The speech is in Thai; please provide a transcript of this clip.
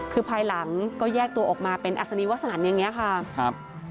คือภายหลังก็แยกตัวออกมาเป็นอัศนีวสนันอย่างนี้ค่ะครับ